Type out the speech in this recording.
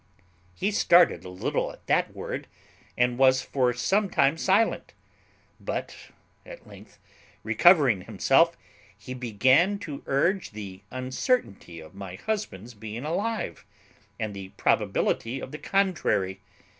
He started a little at that word, and was for some time silent; but, at length recovering himself, he began to urge the uncertainty of my husband's being alive, and the probability of the contrary.